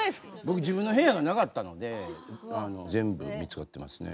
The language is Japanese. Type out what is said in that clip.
僕自分の部屋がなかったので全部見つかってますね。